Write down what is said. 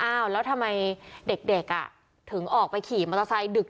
อ้าวแล้วทำไมเด็กถึงออกไปขี่มอเตอร์ไซค์ดึก